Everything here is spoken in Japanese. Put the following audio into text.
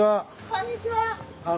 こんにちは。